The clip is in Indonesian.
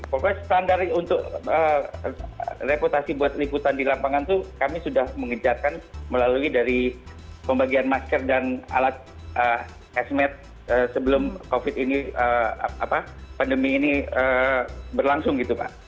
pokoknya standar untuk reputasi buat liputan di lapangan itu kami sudah mengejarkan melalui dari pembagian masker dan alat esmed sebelum covid ini pandemi ini berlangsung gitu pak